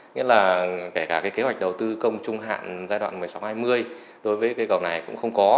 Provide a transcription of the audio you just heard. nghĩa là kể cả kế hoạch đầu tư công trung hạn giai đoạn một mươi sáu hai mươi đối với cây cầu này cũng không có